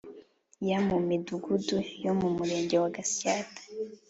ya mu Midugudu yo mu Murenge wa Gatsata